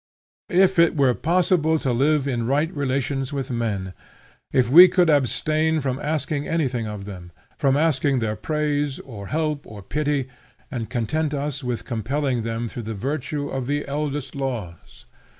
If it were possible to live in right relations with men! if we could abstain from asking anything of them, from asking their praise, or help, or pity, and content us with compelling them through the virtue of the eldest laws!